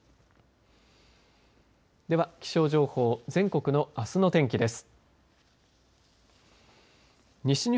では気象情報全国のあすの天気です。